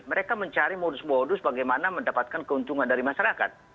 mereka mencari modus modus bagaimana mendapatkan keuntungan dari masyarakat